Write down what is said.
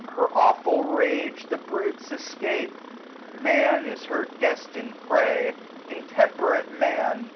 Her aweful rage The brutes escape : Man is her destin'd prey j Intemperate Man